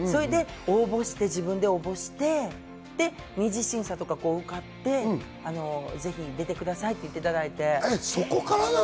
それで自分で応募して２次審査とか受かって、ぜひ出てくださいって言っていただいて。